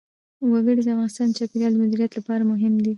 وګړي د افغانستان د چاپیریال د مدیریت لپاره مهم دي.